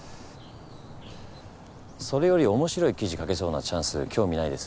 それより面白い記事書けそうなチャンス興味ないです？